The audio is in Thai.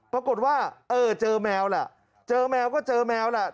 ปรากฏว่าเออเจอแมวแหละเจอแมวก็เจอแมวแหละ